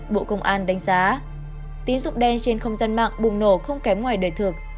bộ công an đánh giá tín dụng đen trên không gian mạng bùng nổ không kém ngoài đời thực